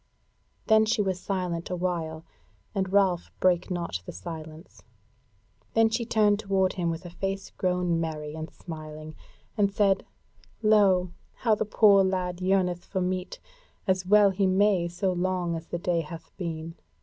Then was she silent a while, and Ralph brake not the silence. Then she turned to him with a face grown merry and smiling, and said: "Lo! how the poor lad yearneth for meat, as well he may, so long as the day hath been.